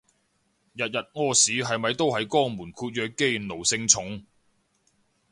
日日屙屎係咪都係肛門括約肌奴性重